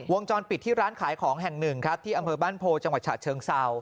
วงจรปิดที่ร้านขายของแห่งหนึ่งครับที่อำเภอบ้านโพจังหวัดฉะเชิงเศร้า